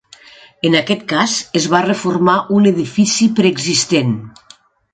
En aquest cas, es va reformar un edifici preexistent.